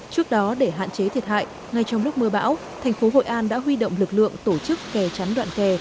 trước đó để hạn chế thiệt hại ngay trong lúc mưa bão thành phố hội an đã huy động lực lượng tổ chức kè trắn đoạn kè